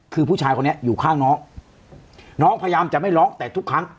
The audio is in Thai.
คือผู้ชายคนนี้อยู่ข้างน้องน้องพยายามจะไม่ร้องแต่ทุกครั้ง